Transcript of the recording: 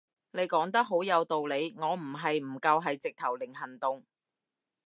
你講得好有道理，我唔係唔夠係直頭零行動